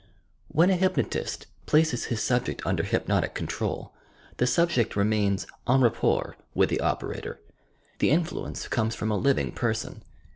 When a hypnotist places bis subject under hypnotic control, the subject remains en rapport with the operator. The influence comes from a living person.